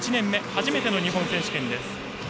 初めての日本選手権です。